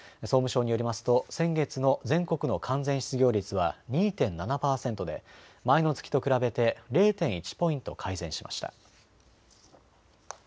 総務省によりますと先月の全国の完全失業率は２．７％で前の月と比べて０．１ポイント改善しました。